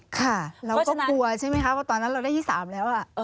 ค่ะเราก็กลัวใช่ไหมคะว่าตอนนั้นเราได้ที่๓แล้ว